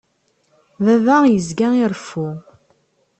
Baba yezga ireffu.